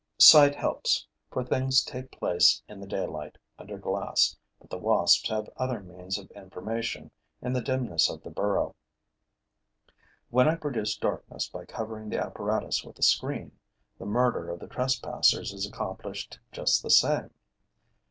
Sight helps, for things take place in the daylight, under glass; but the wasps have other means of information in the dimness of the burrow. When I produce darkness by covering the apparatus with a screen, the murder of the trespassers is accomplished just the same.